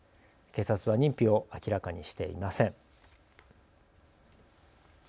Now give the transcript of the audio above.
警察は認否を明らかにしていません。